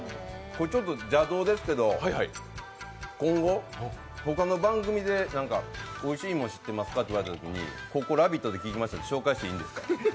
ちょっと邪道ですけど、他の番組でおいしいもの知ってますかって聞かれたときにここ「ラヴィット！」で聞きましたって紹介していいんですか？